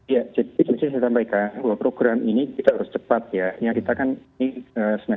ya jadi saya ingin menyampaikan bahwa program ini kita harus cepat ya